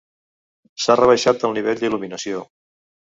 S'ha rebaixat el nivell d'il·luminació.